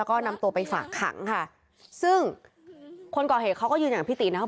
ก็นำตัวไปฝากขังค่ะซึ่งคนก่อเหตุเขาก็ยืนอย่างพี่ตินะว่า